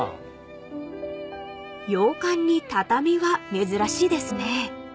［洋館に畳は珍しいですね］